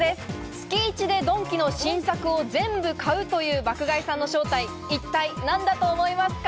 月１でドンキの新作を全部買うという爆買いさんの正体、一体何だと思いますか？